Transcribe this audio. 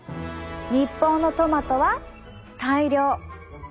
日本のトマトは大量。